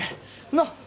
なっ。